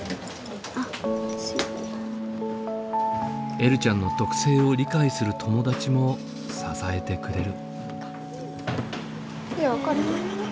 えるちゃんの特性を理解する友達も支えてくれる。